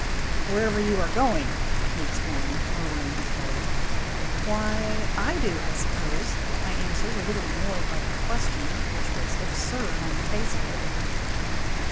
" Wherever you are going," he explained, lowering his bow. " Why, I do, I suppose," I answered, a little annoyed by the question, which was absurd on the face of it.